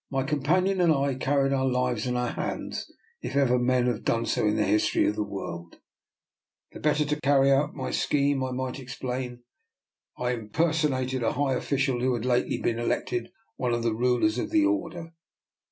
My companion and I carried our lives in our hands if ever men have done so in the history of the world. The better to carry out my scheme, I might explain, I im personated a high official who had lately been elected one of the rulers of the Order.